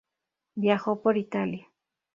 Viajó por Italia.